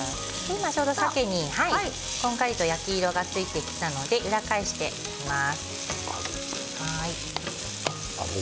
さけにこんがりと焼き色がついてきたので裏返していきます。